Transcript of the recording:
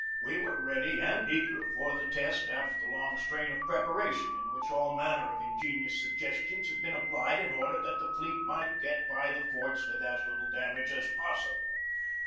We were ready and eager for the test after the long strain of preparation, in which all manner of ingenious suggestions had been applied in order that the fleet might get by the forts with as little damage as possible.